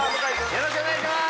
よろしくお願いします